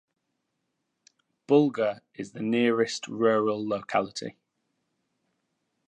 Bulgar is the nearest rural locality.